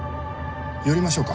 寄りましょうか。